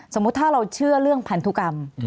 สมมุติถ้าเราเชื่อเรื่องพันธุกรรม